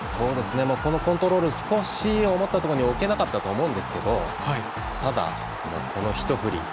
このコントロール少し思ったところに置けなかったと思いますがただ、このひと振り。